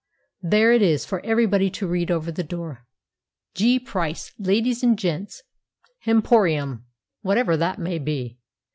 There it is for everybody to read over the door—'G. PRICE. Ladies and Gents' Hemporium'—whatever that may be!